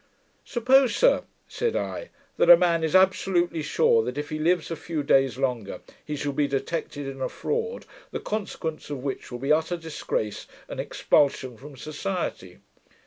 'Suppose, sir,' said I, 'that a man is absolutely sure, that, if he lives a few days longer, he shall be detected in a fraud, the consequence of which will be utter disgrace and expulsion from society.'